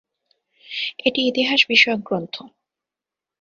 এটি ইতিহাস বিষয়ক গ্রন্থ।